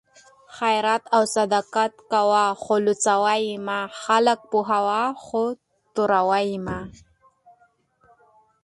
خیرات او صدقات کوه خو لوڅوه یې مه؛ خلک پوهوه خو توروه یې مه